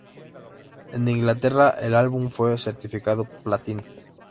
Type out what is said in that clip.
En Inglaterra el álbum fue certificado platino.